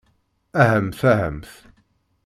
Ahamt, ahamt.